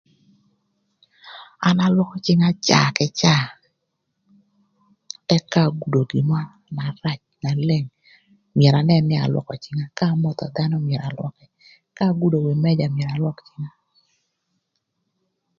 An alwökö cïnga caa kï caa ëk ka agudo gin mörö na rac na leng myero anën nï alwökö cinga ka amotho dhanö myero alwökï ka agudo wi mëja myero alwök cïnga.